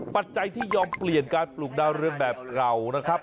ปัจจัยที่ยอมเปลี่ยนการปลูกดาวเรืองแบบเก่านะครับ